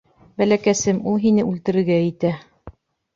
Бәләкәсем, ул һине үлтерергә итә!